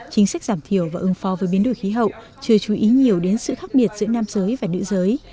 chính sách giảm thiểu và ứng phó với biến đổi khí hậu chưa chú ý nhiều đến sự khác biệt giữa nam giới và nữ giới